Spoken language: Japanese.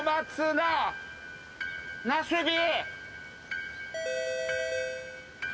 なすび。